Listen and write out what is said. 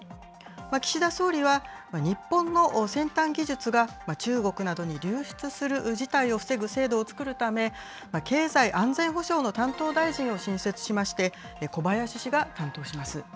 岸田総理は、日本の先端技術が、中国などに流出する事態を防ぐ制度を作るため、経済安全保障の担当大臣を新設しまして、小林氏が担当します。